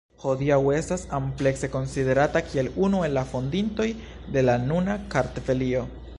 Hodiaŭ estas amplekse konsiderata kiel unu el la fondintoj de la nuna Kartvelio.